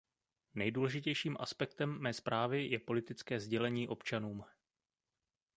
Nejdůležitějším aspektem mé zprávy je politické sdělení občanům.